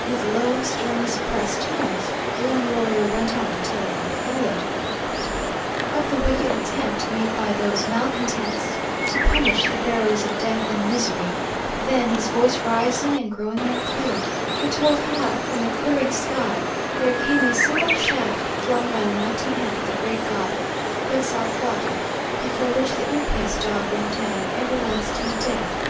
With low, sternly suppressed tones, the young warrior went on to tell of what followed: of the wicked attempt made by those malcontents to punish the bearers of death and misery; then, his voice rising and growing more clear, he told how, from a clearing sky, there came a single shaft flung by the mighty hand of the great god, Quetzalcoatl, before which the impious dog went down in everlasting death.